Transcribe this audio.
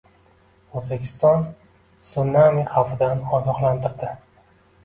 O‘zbekiston tsunami xavfidan ogohlantirdi